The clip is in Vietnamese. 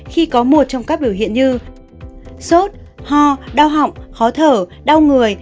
khi có một trong các biểu hiện như sốt ho đau họng khó thở đau người